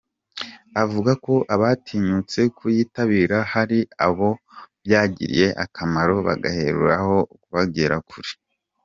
Avuga ko abatinyutse kuyitabira hari abo byagiriye akamaro bagaheraho bakagera kure.